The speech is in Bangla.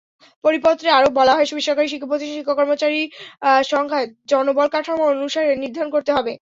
পরিপত্রে আরও বলা হয়, বেসরকারি শিক্ষাপ্রতিষ্ঠানের শিক্ষক-কর্মচারীর সংখ্যা জনবলকাঠামো অনুসারে নির্ধারণ করতে হবে।